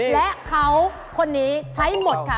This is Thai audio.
และเขาคนนี้ใช้หมดค่ะ